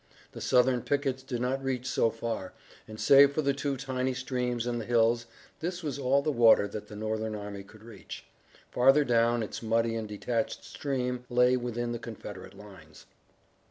The Southern pickets did not reach so far, and save for the two tiny streams in the hills this was all the water that the Northern army could reach. Farther down, its muddy and detached stream lay within the Confederate lines.